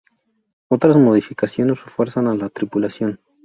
Otras modificaciones refuerzan a la tripulación.